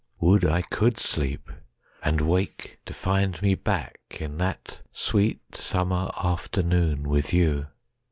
Would I could sleep, and wake to find me backIn that sweet summer afternoon with you.